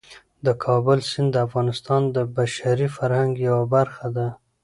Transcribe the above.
د کابل سیند د افغانستان د بشري فرهنګ یوه برخه ده.